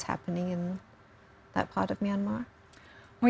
dan benar benar seperti apa yang terjadi di bagian myanmar